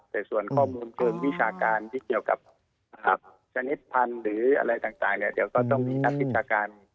แต่ส่วนข้อมูลเชิงวิชาการที่เกี่ยวกับชนิดพันธุ์หรืออะไรต่างเนี่ยเดี๋ยวก็ต้องมีนักวิชาการ